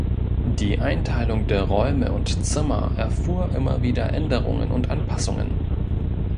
Die Einteilung der Räume und Zimmer erfuhr immer wieder Änderungen und Anpassungen.